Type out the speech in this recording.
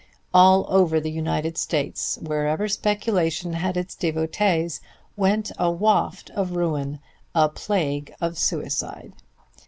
All over the United States, wherever speculation had its devotees, went a waft of ruin, a plague of suicide.